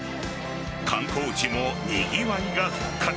観光地も、にぎわいが復活。